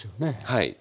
はい。